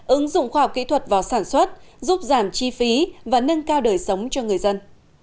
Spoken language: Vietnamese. ứng dụng khoa học kỹ thuật vào sản xuất giúp giảm chi phí và nâng cao đời sống cho người dân